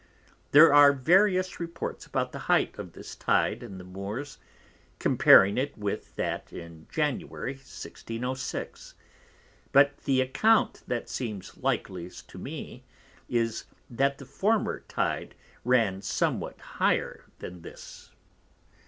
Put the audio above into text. There are various reports about the height of this Tyde in the Moors, comparing it with that in Jan. 1606. But the account that seems likeliest to me, is, that the former Tyde ran somewhat higher than this.